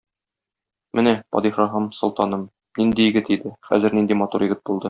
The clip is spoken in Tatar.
Менә, падишаһым-солтаным, нинди егет иде, хәзер нинди матур егет булды.